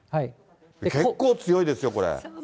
結構強いですよ、これ。